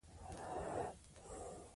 څوک د کورنۍ په اقتصاد کې مرسته کوي؟